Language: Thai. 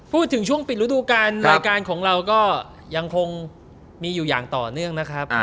พูดถึงช่วงปิดฤดูการรายการของเราก็ยังคงมีอยู่อย่างต่อเนื่องนะครับ